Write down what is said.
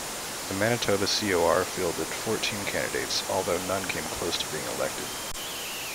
The Manitoba CoR fielded fourteen candidates, although none came close to being elected.